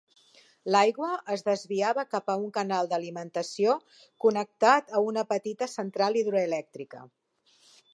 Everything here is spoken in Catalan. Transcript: L'aigua es desviava cap a un canal d'alimentació connectat a una petita central hidroelèctrica.